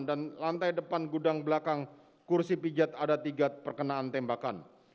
dan lantai depan gudang belakang kursi pijat ada tiga perkenaan tembakan